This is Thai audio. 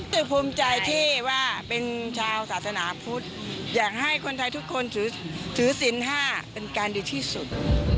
แต่ภูมิใจที่ว่าเป็นชาวศาสนาพุทธอยากให้คนไทยทุกคนถือศิลป์๕เป็นการดีที่สุด